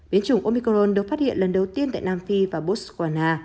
biến chủng omicron được phát hiện lần đầu tiên tại nam phi và botswana